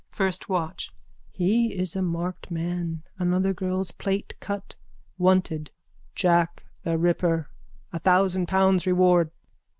FIRST WATCH: He is a marked man. Another girl's plait cut. Wanted: Jack the Ripper. A thousand pounds reward.